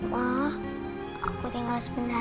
ma aku tinggal sebentar ya